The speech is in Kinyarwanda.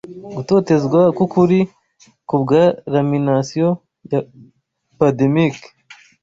Gutotezwa kwukuri, Kubwa 'lamination' ya 'pademic'